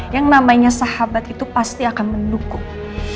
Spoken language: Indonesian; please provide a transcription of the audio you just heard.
yang namanya sahabat itu pasti akan mendukung